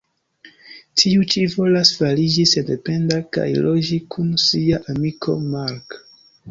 Tiu ĉi volas fariĝi sendependa kaj loĝi kun sia amiko Marc.